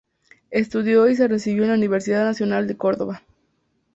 Estudio y se recibió en la Universidad Nacional de Cordoba.